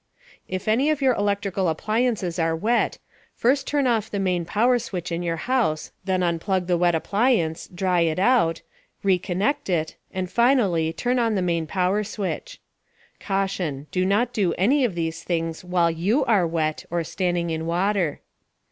If any of your electrical appliances are wet, first turn off the main power switch in your house, then unplug the wet appliance, dry it out, reconnect it, and finally, turn on the main power switch. (Caution: Don't do any of these things while you are wet or standing in water.)